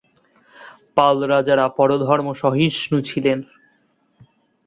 পাল রাজারা পরধর্মসহিষ্ণু ছিলেন।